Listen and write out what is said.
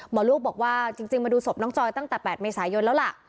ลูกบอกว่าจริงมาดูศพน้องจอยตั้งแต่๘เมษายนแล้วล่ะ